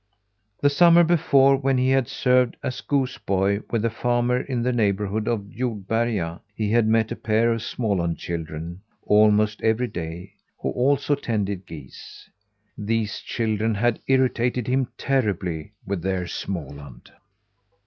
The summer before, when he had served as goose boy with a farmer in the neighbourhood of Jordberga, he had met a pair of Småland children, almost every day, who also tended geese. These children had irritated him terribly with their Småland.